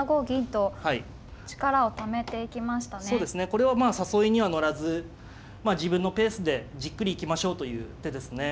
これは誘いには乗らず自分のペースでじっくり行きましょうという手ですね。